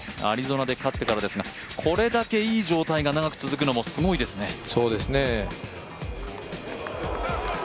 アリゾナで勝ってからですからこれだけいい状態が長く続くのもすごいですね。